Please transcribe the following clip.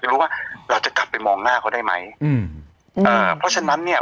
รู้ว่าเราจะกลับไปมองหน้าเขาได้ไหมอืมอ่าเพราะฉะนั้นเนี้ย